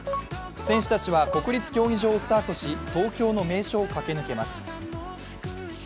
選手たちは国立競技場をスタートし、東京の名所を駆け抜けます。